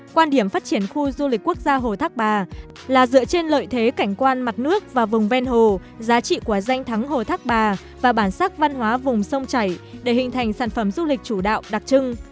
quan điểm phát triển khu du lịch quốc gia hồ thác bà là dựa trên lợi thế cảnh quan mặt nước và vùng ven hồ giá trị của danh thắng hồ thác bà và bản sắc văn hóa vùng sông chảy để hình thành sản phẩm du lịch chủ đạo đặc trưng